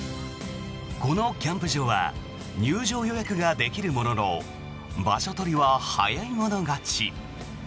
このキャンプ場は入場予約ができるものの場所取りは早い者勝ち。